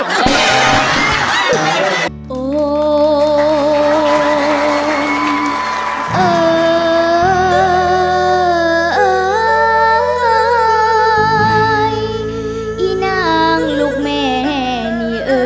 โอ้เอ่อเออยอี้นางลูกแม่นฮ่ย